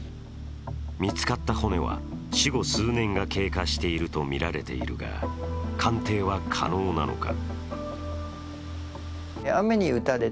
見つかった骨は、死後数年が経過しているとみられているが鑑定は可能なのか。